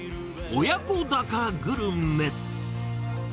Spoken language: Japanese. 親子鷹グルメ。